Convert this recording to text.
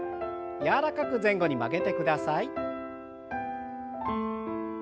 柔らかく前後に曲げてください。